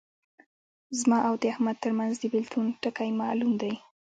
زما او د احمد ترمنځ د بېلتون ټکی معلوم دی.